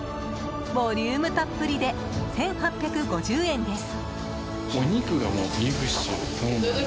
ボリュームたっぷりで１８５０円です。